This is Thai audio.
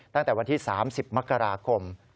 ตั้งแต่วันที่๓๐มกราคม